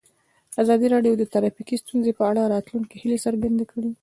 ازادي راډیو د ټرافیکي ستونزې په اړه د راتلونکي هیلې څرګندې کړې.